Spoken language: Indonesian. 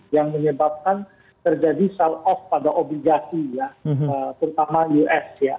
yang menyebabkan terjadi sell off pada obligasi ya terutama us ya